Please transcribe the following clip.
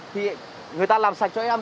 thì người ta làm sạch cho em